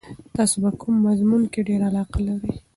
تاسې په کوم مضمون کې ډېره علاقه لرئ؟